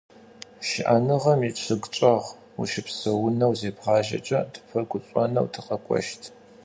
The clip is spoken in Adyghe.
Щыӏэныгъэм ичъыг чӏэгъ ущыпсэунэу зебгъажьэкӏэ тыпфэгушӏонэу тыкъэкӏощт.